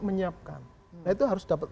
menyiapkan nah itu harus dapat